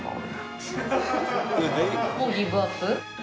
もうギブアップ？